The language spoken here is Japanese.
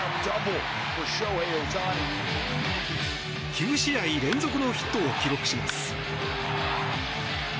９試合連続のヒットを記録します。